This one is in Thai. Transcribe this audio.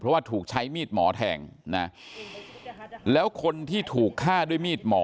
เพราะว่าถูกใช้มีดหมอแทงนะแล้วคนที่ถูกฆ่าด้วยมีดหมอ